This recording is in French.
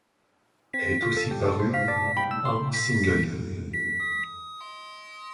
Elle est elle aussi parue en single.